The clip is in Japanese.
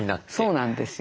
そうなんですよね。